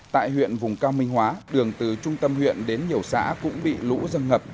tại huyện vùng cao minh hóa đường từ trung tâm huyện đến nhiều xã cũng bị lũ dân ngập